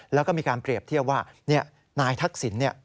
แล้วก็มีการเปรียบเทียบว่านายทักษิณ